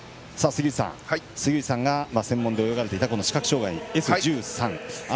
杉内さん、専門で泳がれていたこの視覚障がいＳ１３。